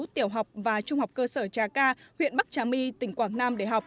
tiểu học và trung học cơ sở trà ca huyện bắc trà my tỉnh quảng nam để học